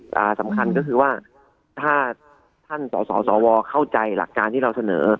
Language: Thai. ที่สำคัญก็คือว่าถ้าท่านต่อสอบสอบวัวเข้าใจหลักการที่เราเสนอ